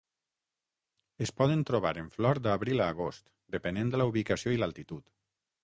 Es poden trobar en flor d'abril a agost, depenent de la ubicació i l'altitud.